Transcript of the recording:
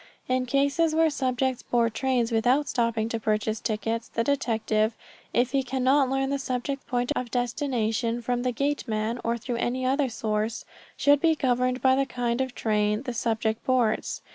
In cases where subjects board trains without stopping to purchase tickets, the detective, if he cannot learn the subject's point of destination from the gate man or through any other source, should be governed by the kind of train the subject boards.